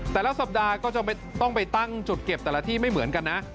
แต่ละสัปดาห์ก็จะต้องไปตั้งจุดเก็บแต่ละที่ไม่เหมือนกันนะ